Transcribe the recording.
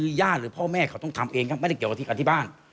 คือญาติหรือพ่อแม่เขาต้องทำเองครับไม่ได้เกี่ยวกับที่กันที่บ้าน